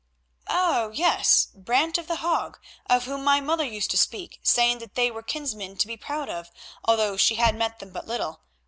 "Oh! yes, Brant of The Hague, of whom my mother used to speak, saying that they were kinsmen to be proud of, although she had met them but little.